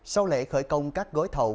sau lễ khởi công các gối thậu